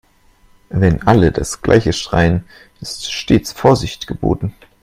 Wenn alle das gleiche schreien, ist stets Vorsicht geboten.